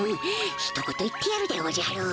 ひと言言ってやるでおじゃる。